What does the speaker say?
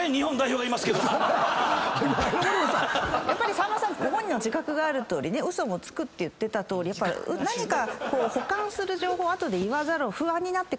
さんまさんご本人の自覚があるとおりウソもつくって言ってたとおりやっぱ何か補完する情報を言わざるを不安になってくるんですよ。